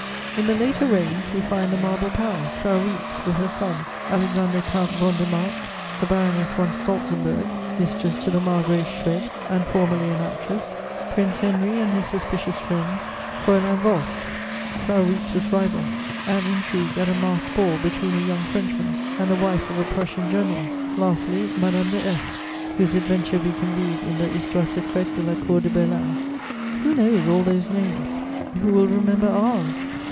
In the later reigns, we find the Marble Palace, Frau Rietz, with her son, Alexander Count von der Marck, the Baroness von Stoltzenberg, mistress to the Margrave Schwed, and formerly an actress; Prince Henry and his suspicious friends, Fräulein Voss, Frau Rietz's rival; an intrigue at a masked ball between a young Frenchman and the wife of a Prussian general; lastly Madame de F , whose adventure we can read in the Histoire secrète de la cour de Berlin: who knows all those names? Who will remember ours?